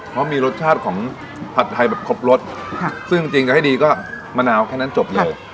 เพราะมีรสชาติของผัดไทยแบบครบรสซึ่งจริงจะให้ดีก็มะนาวแค่นั้นจบเลย